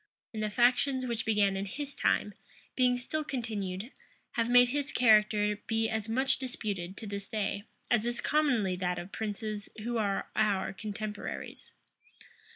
And the factions which began in his time, being still continued, have made his character be as much disputed to this day, as is commonly that of princes who are our contemporaries.